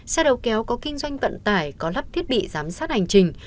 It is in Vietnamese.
xe đầu kéo có kinh doanh vận tải có lắp thiết bị giám sát hành trình